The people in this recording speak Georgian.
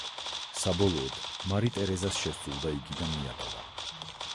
საბოლოოდ მარი ტერეზას შესძულდა იგი და მიატოვა.